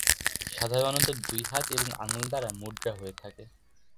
সাধারণত দুই হাত এবং আঙুল দ্বারা মুদ্রা হয়ে থাকে।